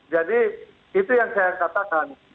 jadi itu yang saya katakan